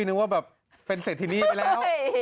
นึกว่าเป็นเสร็จที่นี้ไม่แล้ว